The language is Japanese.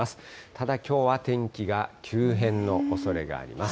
ただ、きょうは天気が急変のおそれがあります。